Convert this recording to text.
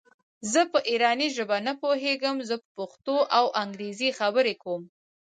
زه په ایراني ژبه نه پوهېږم زه پښتو او انګرېزي خبري کوم.